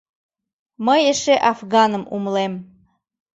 Мый эше афганым умылем.